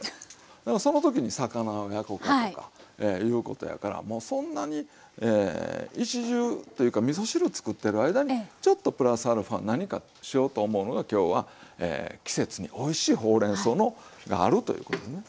だからその時に魚を焼こかとかいうことやからもうそんなに一汁というかみそ汁作ってる間にちょっとプラスアルファ何かしようと思うのが今日は季節においしいほうれんそうがあるということですね。